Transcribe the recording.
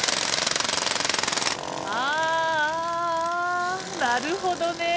あああなるほどね。